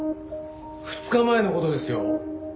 ２日前の事ですよ？